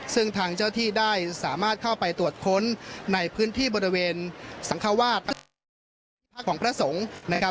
ซึ่งทางเจ้าที่ได้สามารถเข้าไปตรวจค้นในพื้นที่บริเวณสังควาสของพระสงฆ์